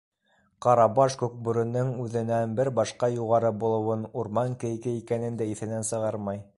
Ҡарабаш Күкбүренең үҙенән бер башҡа юғары булыуын - урман кейеге икәнен дә иҫенән сығармай.